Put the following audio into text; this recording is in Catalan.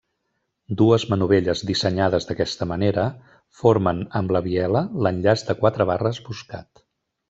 Dues manovelles dissenyades d'aquesta manera formen amb la biela l'enllaç de quatre barres buscat.